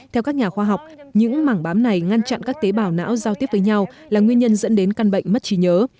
theo các nhà khoa học những mảng bám này ngăn chặn các tế bào não giao tiếp với nhau là nguyên nhân dẫn đến căn bệnh mất trí nhớ